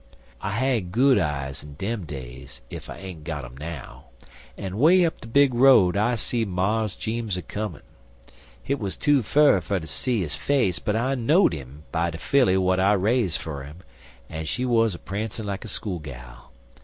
"I had good eyes in dem days, ef I ain't got um now, en way up de big road I see Mars Jeems a comm'. Hit wuz too fur fer ter see his face, but I know'd 'im by de filly w'at I raise fer 'im, en she wuz a prancin' like a school gal.